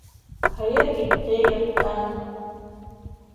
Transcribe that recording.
Һыйыр китте йорттан.